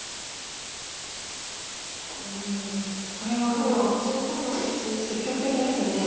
おおこれはまた積極的ですね。